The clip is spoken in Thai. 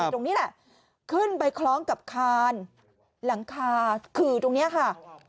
ตรงนี้แหละขึ้นไปคล้องกับคานหลังคาขื่อตรงนี้ค่ะ